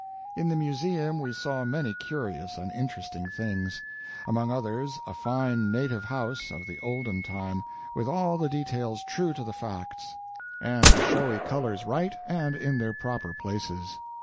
In the museum we saw many curious and interesting things; among others a fine native house of the olden time, with all the details true to the facts, and the showy colors right and in their proper places.